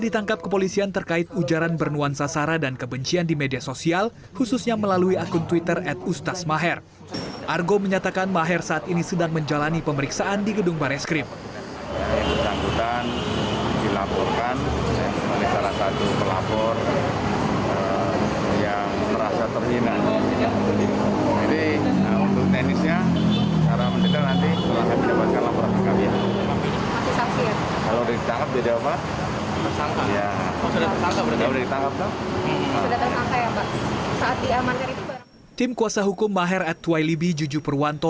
tim kuasa hukum maher at twailibi jujup perwanto